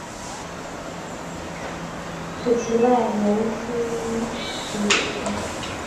土岐赖元是土岐赖艺的四男。